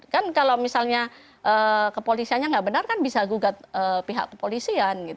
kan kalau misalnya kepolisiannya nggak benar kan bisa gugat pihak kepolisian